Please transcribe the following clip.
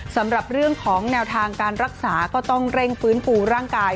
สำหรับเรื่องของแนวทางการรักษาก็ต้องเร่งฟื้นฟูร่างกาย